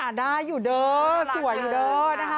ได้อยู่เด้อสวยอยู่เด้อนะคะ